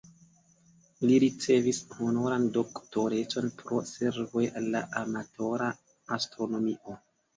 Li ricevis honoran doktorecon pro servoj al la amatora astronomio.